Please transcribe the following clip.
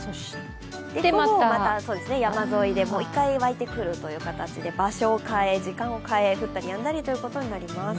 また山沿いでまた１回湧いてくるという感じで、場所を変え、時間を変え降ったりやんだりということになります。